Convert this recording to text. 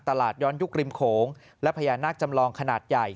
ย้อนยุคริมโขงและพญานาคจำลองขนาดใหญ่